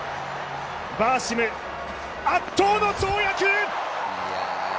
バーシム、圧倒の跳躍！